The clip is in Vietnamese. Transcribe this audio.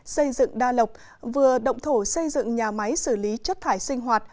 xây dựng đa lộc vừa động thổ xây dựng nhà máy xử lý chất thải sinh hoạt